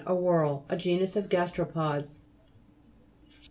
A whorl. A genus of gasteropods.